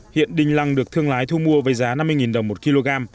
hiện đinh lăng được thương lái thu mua với giá năm mươi đồng một kg